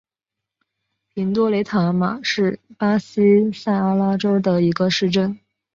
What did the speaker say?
平多雷塔马是巴西塞阿拉州的一个市镇。